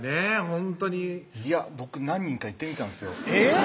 ほんとにいや僕何人かいってみたんですえぇっ！